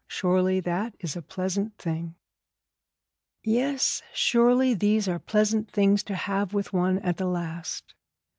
Surely that is a pleasant thing.' Yes, surely these are pleasant things to have with one at the last.